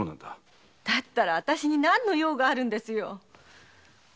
だったらあたしに何の用があるんですよ。